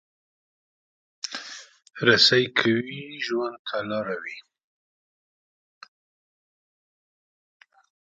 رسۍ که وي، ژوند ته لاره وي.